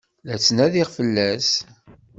La ttnadiɣ fell-as.